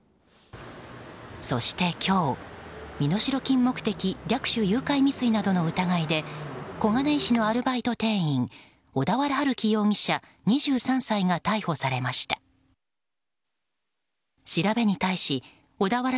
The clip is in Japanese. そして今日身代金目的略取誘拐未遂などの疑いで小金井市のアルバイト店員小田原春輝容疑者、２３歳が逮捕されました。